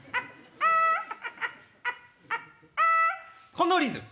このリズム。